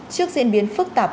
trước diễn biến phức tạp